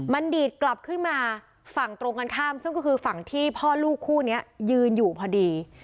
มันดีดกลับขึ้นมาฝั่งตรงกันข้ามซึ่งก็คือฝั่งที่พ่อลูกคู่นี้ยืนอยู่พอดี